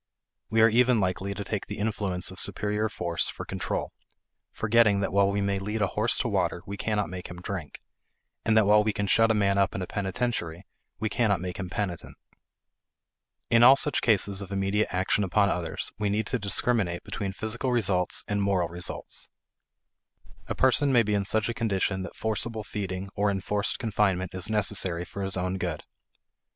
We are even likely to take the influence of superior force for control, forgetting that while we may lead a horse to water we cannot make him drink; and that while we can shut a man up in a penitentiary we cannot make him penitent. In all such cases of immediate action upon others, we need to discriminate between physical results and moral results. A person may be in such a condition that forcible feeding or enforced confinement is necessary for his own good.